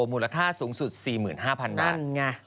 มูลค่าสูงสุด๔๕๐๐๐บาท